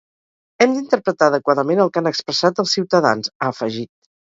Hem d’interpretar adequadament el que han expressat els ciutadans, ha afegit.